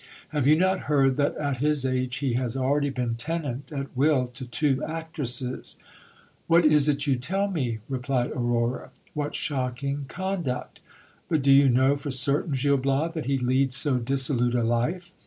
Have you not heard that at his age he has already been tenant at will to two actresses ? What is it you tell me ? replied Aurora. What shocking con duct 1 But do you know for certain, Gil Bias, that he leads so dissolute a life